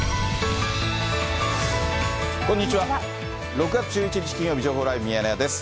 ６月１１日金曜日情報ライブミヤネ屋です。